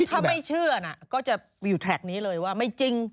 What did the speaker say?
ถ้าไม่เชื่อนะก็จะวิวแท็กนี้เลยว่าไม่จริง